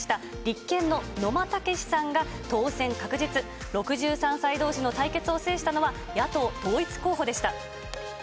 立憲の野間健さんが当選確実、６３歳どうしの対決を制したのは、野党統一候補でした。